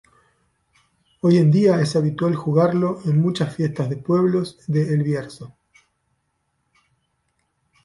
Hoy en día es habitual jugarlo en muchas fiestas de pueblos de El Bierzo.